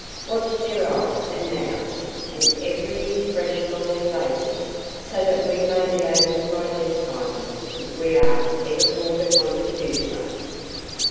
Watch their eyes and mouths and every expression on their faces so that we may be able to identify them if we are ever called upon to do so."